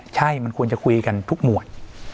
ใช่มันควรจะคุยกันทุกหมวด